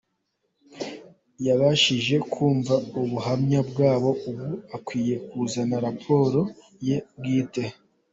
Yabashije kumva ubuhamya bwabo, ubu akwiye kuzana raporo ye bwite.